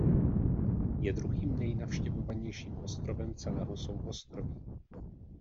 Je druhým nejnavštěvovanějším ostrovem celého souostroví.